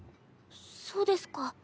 そうですか。